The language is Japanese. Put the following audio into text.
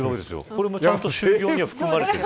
これも就業には含まれている。